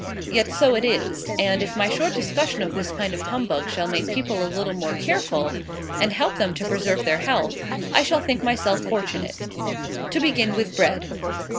Yet so it is; and, if my short discussion of this kind of humbug shall make people a little more careful, and help them to preserve their health, I shall think myself fortunate. To begin with bread.